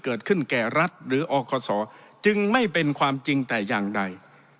เกิดขึ้นแก่รัฐหรืออคศจึงไม่เป็นความจริงแต่อย่างใด